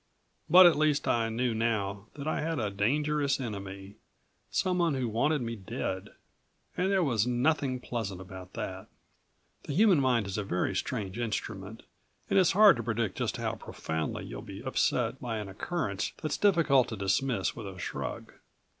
But at least I knew now that I had a dangerous enemy, someone who wanted me dead. And there was nothing pleasant about that. The human mind is a very strange instrument and it's hard to predict just how profoundly you'll be upset by an occurrence that's difficult to dismiss with a shrug.